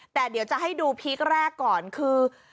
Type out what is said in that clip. แต่เดี๋ยวจะให้ดูพีคแรกก่อนคือ